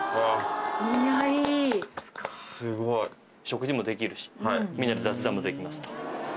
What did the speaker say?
食事もできるしみんなで雑談もできますと。